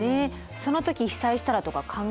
その時被災したらとか考え。